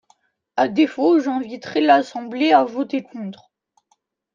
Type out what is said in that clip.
À défaut, j’inviterai l’Assemblée à voter contre.